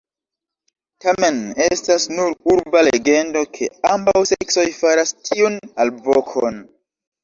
Tamen estas nur urba legendo ke ambaŭ seksoj faras tiun alvokon.